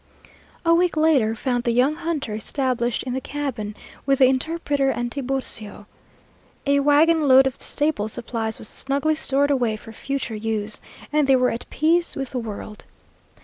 A week later found the young hunter established in the cabin with the interpreter and Tiburcio. A wagon load of staple supplies was snugly stored away for future use, and they were at peace with the world.